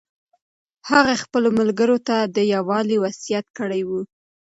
هغه خپلو ملګرو ته د یووالي وصیت کړی و.